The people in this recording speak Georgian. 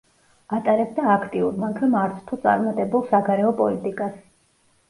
ატარებდა აქტიურ, მაგრამ არცთუ წარმატებულ საგარეო პოლიტიკას.